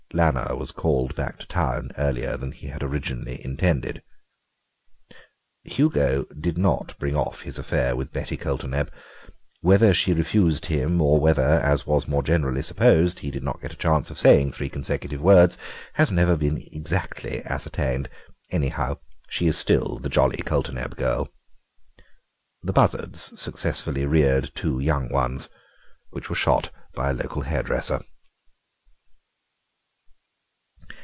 Lanner was called back to town earlier than he had originally intended. Hugo did not bring off his affair with Betty Coulterneb. Whether she refused him or whether, as was more generally supposed, he did not get a chance of saying three consecutive words, has never been exactly ascertained. Anyhow, she is still the jolly Coulterneb girl. The buzzards successfully reared two young ones, which were shot by a local hairdresser.